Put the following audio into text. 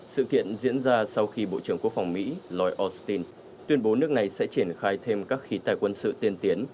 sự kiện diễn ra sau khi bộ trưởng quốc phòng mỹ lloyd austin tuyên bố nước này sẽ triển khai thêm các khí tài quân sự tiên tiến